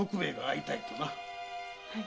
はい。